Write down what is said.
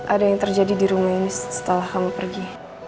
ada yang terjadi di rumah ini setelah kamu pergi